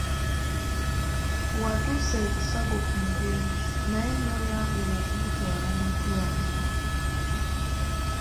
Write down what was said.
Watuusa ebisago ku mugenzi naye n'oyanguwa okumutwala mu ddwaliro.